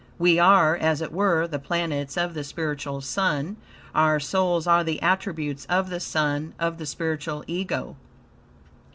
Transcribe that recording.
We are, as it were, the planets of the spiritual Sun. Our souls are the attributes of the Sun, of the spiritual Ego.